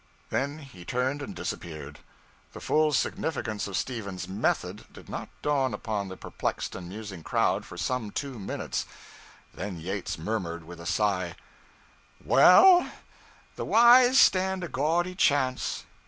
Then he turned and disappeared. The full significance of Stephen's 'method' did not dawn upon the perplexed and musing crowd for some two minutes; and then Yates murmured with a sigh 'Well, the Y's stand a gaudy chance.